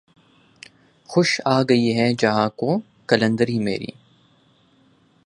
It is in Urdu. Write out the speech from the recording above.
خوش آ گئی ہے جہاں کو قلندری میری